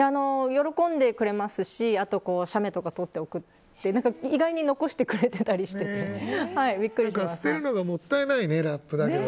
喜んでくれますし写メとか撮って、送ってくれて意外に残してくれてたりして捨てるのがもったいないねラップだけど。